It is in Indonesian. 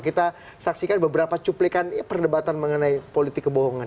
kita saksikan beberapa cuplikan perdebatan mengenai politik kebohongan